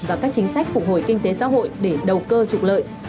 và các chính sách phục hồi kinh tế xã hội để đầu cơ trục lợi